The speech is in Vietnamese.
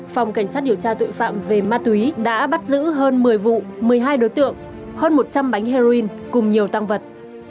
phòng cảnh sát điều tra tội phạm về ma túy đã bắt giữ hơn một mươi vụ một mươi hai đối tượng hơn một trăm linh bánh heroin cùng nhiều tăng vật